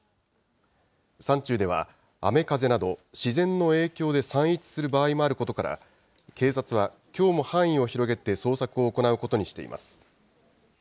山中では雨風など自然の影響で散逸する場合もあることから、警察は、きょうも範囲を広げて捜索を行うことにしています。